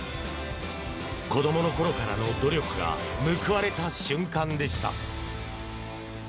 子どもの頃からの努力が報われた瞬間でした。